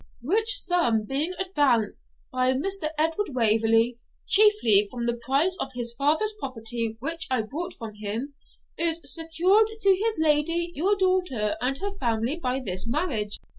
' Which sum being advanced, by Mr. Edward Waverley, chiefly from the price of his father's property which I bought from him, is secured to his lady your daughter and her family by this marriage.'